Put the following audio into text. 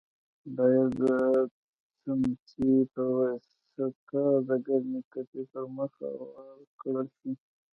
باید د څمڅۍ په واسطه د ګرمې تبۍ پر مخ اوار کړل شي.